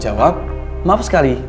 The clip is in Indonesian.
ya kamu beli